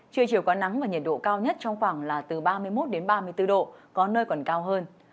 trưa chiều có nắng và nhiệt độ cao nhất trong khoảng là từ ba mươi một đến ba mươi bốn độ có nơi còn cao hơn